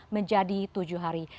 menjadi tujuh hari